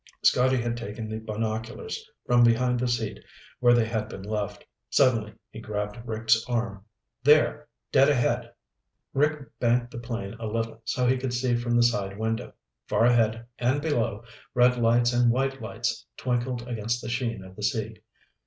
Scotty had taken the binoculars from behind the seat where they had been left. Suddenly he grabbed Rick's arm. "There. Dead ahead." Rick banked the plane a little so he could see from the side window. Far ahead and below, red lights and white lights twinkled against the sheen of the sea.